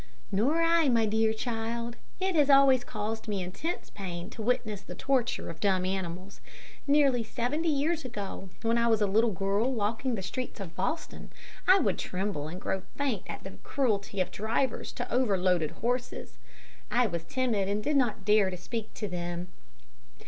"Nor I, my dear child. It has always caused me intense pain to witness the torture of dumb animals. Nearly seventy years ago, when I was a little girl walking the streets of Boston, I would tremble and grow faint at the cruelty of drivers to over loaded horses. I was timid and did not dare speak to them.